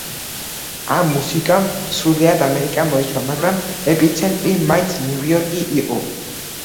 ამ მუსიკამ სრულიად ამერიკა მოიცვა, მაგრამ ეპიცენტრი მაინც ნიუ-იორკი იყო.